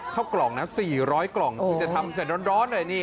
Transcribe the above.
เข้ากล่องนะ๔๐๐กล่องคุณจะทำเสร็จร้อนหน่อยนี่